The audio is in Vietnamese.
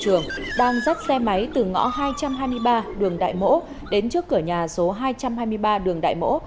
trường đang dắt xe máy từ ngõ hai trăm hai mươi ba đường đại mỗ đến trước cửa nhà số hai trăm hai mươi ba đường đại mỗ